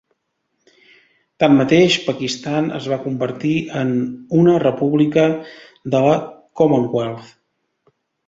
Tanmateix, Pakistan es va convertir en una república de la Commonwealth.